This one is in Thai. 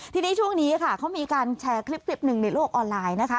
ทีนี้ช่วงนี้ค่ะเขามีการแชร์คลิปหนึ่งในโลกออนไลน์นะคะ